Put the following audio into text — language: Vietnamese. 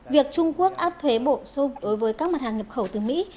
việc trung quốc áp thuế bổ sung đối với các mặt hàng nhập khẩu từ mỹ